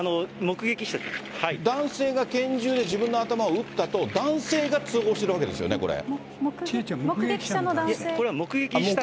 男性が拳銃で自分の頭を撃ったと、男性が通報してるわけですよね、これ。